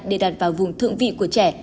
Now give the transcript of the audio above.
để đặt vào vùng thượng vị của trẻ